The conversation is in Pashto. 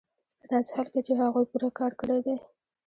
په داسې حال کې چې هغوی پوره کار کړی دی